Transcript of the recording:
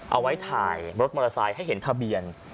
เอาไว้ถ่ายรถมอเตอร์ไซค์ให้เห็นทะเบียน